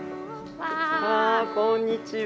ああこんにちは！